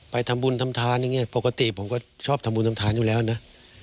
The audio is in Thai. ไปทำบุญทำทานอย่างนี้ปกติผมก็ชอบทำบุญทำทานอยู่แล้วนะ